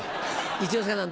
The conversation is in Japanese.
一之輔さん